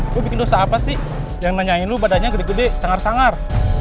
gue bikin dosa apa sih yang nanyain lu badannya gede gede sangar sangar